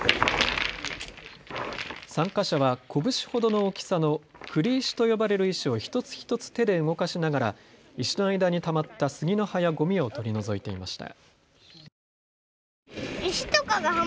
参加者はこぶしほどの大きさの栗石と呼ばれる石を一つ一つ手で動かしながら石の間にたまった杉の葉やごみを取り除いていました。